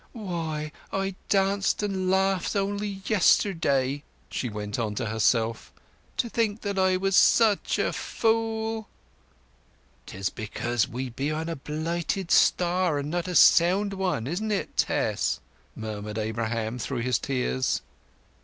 "Why, I danced and laughed only yesterday!" she went on to herself. "To think that I was such a fool!" "'Tis because we be on a blighted star, and not a sound one, isn't it, Tess?" murmured Abraham through his tears.